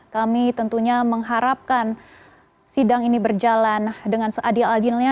kami tentunya mengharapkan sidang ini berjalan dengan seadil adilnya